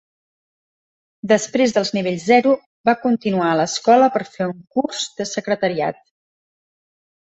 Després dels nivells O, va continuar a l'escola per fer un curs de secretariat.